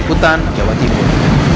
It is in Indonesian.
utan jawa timur